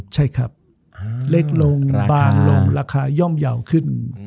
ใช่ครับเล็กลงบางลงราคาย่อมเยาว์ขึ้น